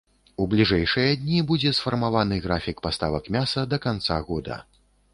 У бліжэйшыя дні будзе сфармаваны графік паставак мяса да канца года.